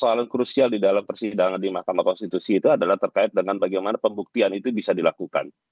soalan krusial di dalam persidangan di mahkamah konstitusi itu adalah terkait dengan bagaimana pembuktian itu bisa dilakukan